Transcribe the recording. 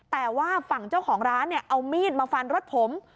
แต่ว่าฝั่งเจ้าของร้านเนี่ยเอามีดมาฟันรถผม